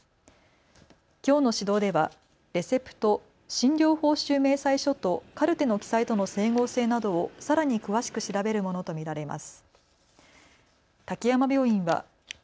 きょうの指導ではレセプト・診療報酬明細書とカルテの記載との整合性などをさらに詳しく調べるものと見られます。